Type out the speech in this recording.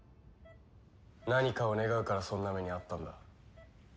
何かを願うからそんな目に遭ったんだ。